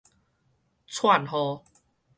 闖禍